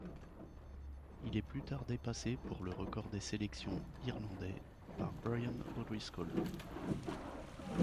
Il est plus tard dépassé pour le record des sélections irlandais par Brian O'Driscoll.